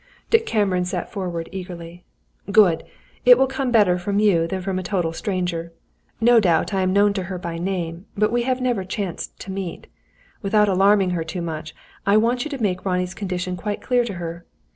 Dick Cameron sat forward, eagerly. "Good! It will come better from you than from a total stranger. No doubt I am known to her by name; but we have never chanced to meet. Without alarming her too much, I want you to make Ronnie's condition quite clear to her.